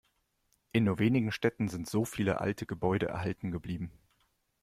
In nur wenigen Städten sind so viele alte Gebäude erhalten geblieben.